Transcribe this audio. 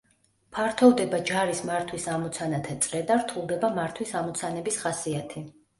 ფართოვდება ჯარის მართვის ამოცანათა წრე და რთულდება მართვის ამოცანების ხასიათი.